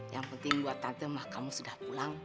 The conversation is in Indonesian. yang penting buat tante kamu sudah pulang